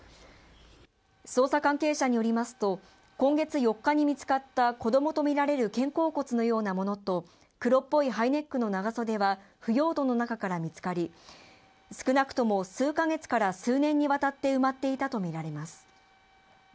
捜査関係者によりますと今月４日に見つかった子どもと見られる肩甲骨のようなものと黒っぽいハイネックの長袖は腐葉土の中から見つかり少なくとも数か月から数年にわたって埋まっていたと見られます